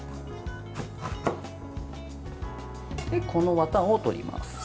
このワタを取ります。